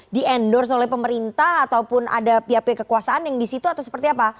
di endorse oleh pemerintah ataupun ada pihak pihak kekuasaan yang di situ atau seperti apa